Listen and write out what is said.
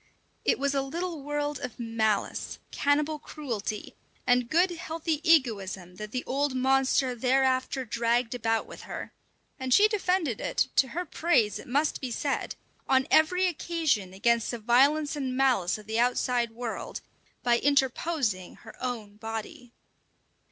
It was a little world of malice, cannibal cruelty, and good, healthy egoism that the old monster thereafter dragged about with her, and she defended it to her praise it must be said on every occasion against the violence and malice of the outside world, by interposing her own body.